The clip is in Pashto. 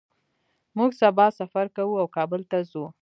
موږ سبا سفر کوو او کابل ته ځو